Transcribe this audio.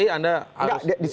itu yang saya sebutkan